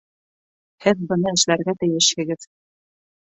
Һеҙ быны эшләргә тейешһегеҙ!